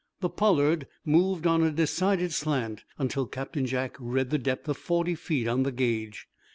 The "Pollard" moved on a decided slant until Captain Jack read the depth of forty feet on the gauge.